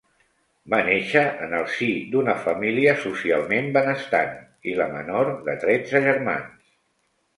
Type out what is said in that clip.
Va néixer en el si d'una família socialment benestant, i la menor de tretze germans.